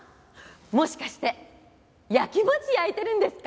もしかして焼きもち焼いてるんですか？